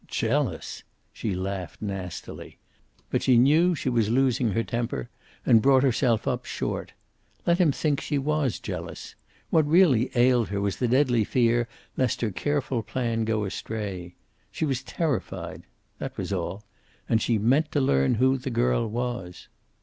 "Jealous!" She laughed nastily. But she knew she was losing her temper; and brought herself up short. Let him think she was jealous. What really ailed her was deadly fear lest her careful plan go astray. She was terrified. That was all. And she meant to learn who the girl was.